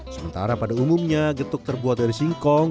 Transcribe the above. sementara pada umumnya getuk terbuat dari singkong